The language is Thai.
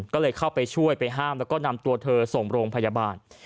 ก็เลยเข้าไปช่วยไปห้ามแล้วก็นำตัวเธอส่งโรงพยาบาล